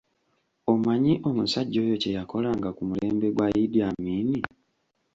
Omanyi omusajja oyo kye yakolanga ku mulembe gwa Idi Amin.?